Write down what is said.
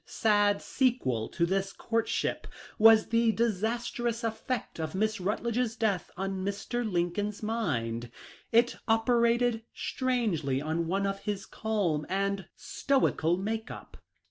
1 39 ship was the disastrous effect of Miss Rutledge's death on Mr. Lincoln's mind. It operated strangely on one of his calm and stoical make up.